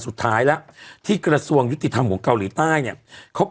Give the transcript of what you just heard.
สุดท้ายแล้วที่กระทรวงยุติธรรมของเกาหลีใต้เนี่ยเขา